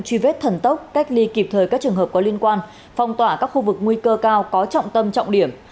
truy vết thần tốc cách ly kịp thời các trường hợp có liên quan phong tỏa các khu vực nguy cơ cao có trọng tâm trọng điểm